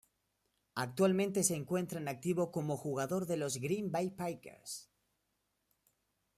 Actualmente se encuentra en activo como jugador de los Green Bay Packers.